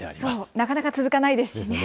なかなか続かないですね。